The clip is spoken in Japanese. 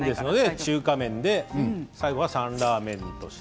中華麺でサンラーメンとして。